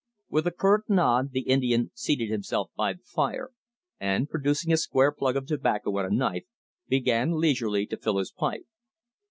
With a curt nod the Indian seated himself by the fire, and, producing a square plug of tobacco and a knife, began leisurely to fill his pipe.